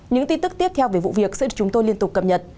những tin tức tiếp theo về vụ việc sẽ được chúng tôi liên tục cập nhật